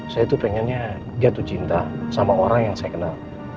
saya tuh pengennya jatuh cinta sama orang yang saya kenal